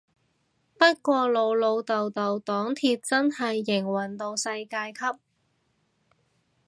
不過老老豆豆黨鐵真係營運到世界級